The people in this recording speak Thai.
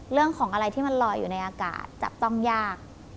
เรื่องของอะไรที่มันลอยอยู่ในอากาศจับต้องยาก